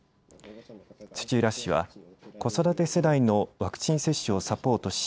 土浦市は子育て世代のワクチン接種をサポートし、